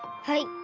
はい。